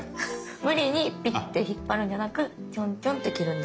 無理にピッて引っ張るんじゃなくチョンチョンって切るんです。